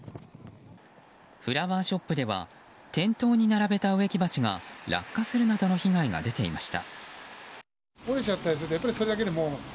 フラワーショップでは店頭に並べた植木鉢が落下するなどの被害が出ていました。